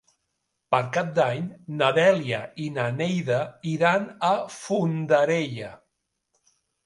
Per Cap d'Any na Dèlia i na Neida iran a Fondarella.